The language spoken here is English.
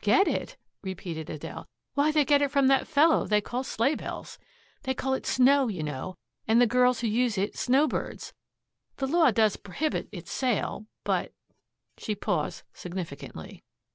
"Get it?" repeated Adele. "Why, they get it from that fellow they call 'Sleighbells.' They call it 'snow,' you know, and the girls who use it 'snowbirds.' The law does prohibit its sale, but " She paused significantly.